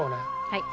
はい。